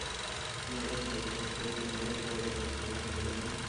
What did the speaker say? মারধরে সাইফুল অসুস্থ হয়ে পড়লে মারধরকারীরা তাঁকে ফেলে রেখে চলে যান।